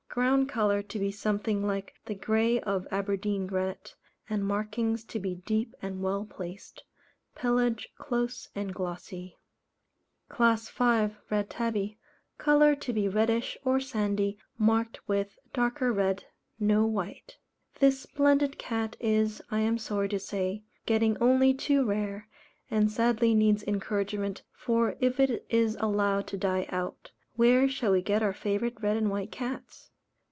Ground colour to be something like the grey of Aberdeen granite, and markings to be deep and well placed. Pelage close and glossy. CLASS V. Red Tabby. Colour to be reddish, or sandy, marked with darker red, no white. This splendid cat is, I am sorry to say, getting only too rare, and sadly needs encouragement, for if it is allowed to die out, where shall we get our favourite red and white cats?